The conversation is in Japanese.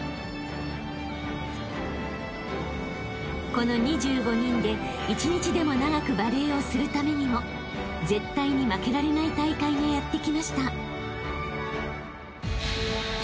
［この２５人で一日でも長くバレーをするためにも絶対に負けられない大会がやって来ました］